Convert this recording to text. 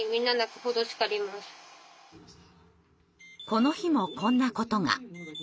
この日もこんなことが。